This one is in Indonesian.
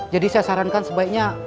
jadi saya sarankan sebaiknya